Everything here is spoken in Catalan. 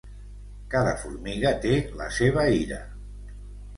Cada formiga té la seva ira.